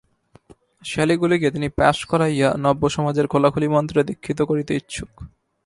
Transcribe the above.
শ্যালীগুলিকে তিনি পাস করাইয়া নব্যসমাজের খোলাখুলি মন্ত্রে দীক্ষিত করিতে ইচ্ছুক।